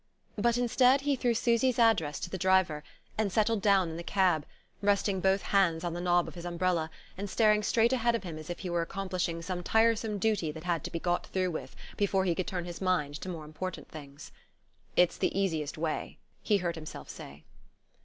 But instead, he threw Susy's address to the driver, and settled down in the cab, resting both hands on the knob of his umbrella and staring straight ahead of him as if he were accomplishing some tiresome duty that had to be got through with before he could turn his mind to more important things. "It's the easiest way," he heard himself say.